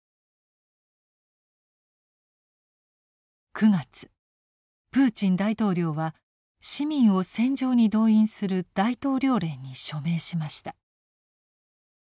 ９月プーチン大統領は市民を戦場に動員する大統領令に署名しました。